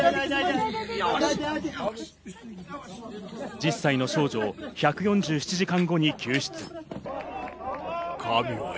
１０歳の少女を１４７時間後に救出。